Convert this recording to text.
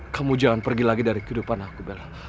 kamu jangan pergi lagi dari kehidupan aku bella